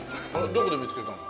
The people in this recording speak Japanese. どこで見つけたの？